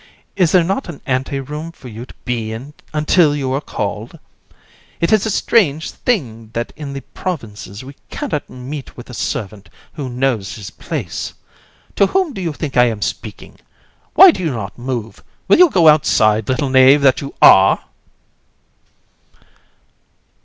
is there not an ante room for you to be in until you are called? It is a strange thing that in the provinces we cannot meet with a servant who knows his place! To whom do you think I am speaking? Why do you not move? Will you go outside, little knave that you are!